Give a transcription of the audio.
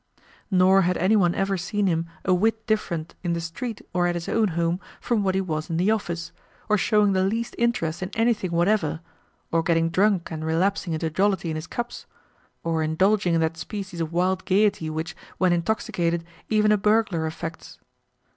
Nor had any one ever seen him a whit different in the street or at his own home from what he was in the office, or showing the least interest in anything whatever, or getting drunk and relapsing into jollity in his cups, or indulging in that species of wild gaiety which, when intoxicated, even a burglar affects.